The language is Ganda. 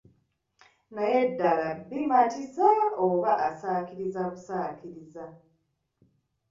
Naye ddala bimatiza oba asaakiriza busaakiriza?